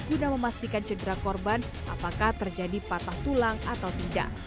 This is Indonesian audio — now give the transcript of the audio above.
guna memastikan cedera korban apakah terjadi patah tulang atau tidak